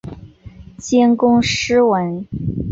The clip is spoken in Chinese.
兼工诗文。